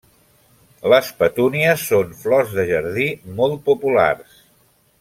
Les petúnies són flors de jardí molt populars.